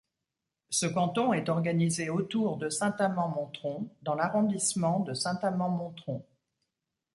Ce canton est organisé autour de Saint-Amand-Montrond dans l'arrondissement de Saint-Amand-Montrond.